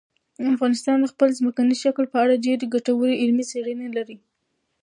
افغانستان د خپل ځمکني شکل په اړه ډېرې ګټورې علمي څېړنې لري.